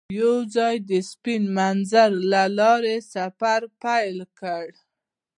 هغوی یوځای د سپین منظر له لارې سفر پیل کړ.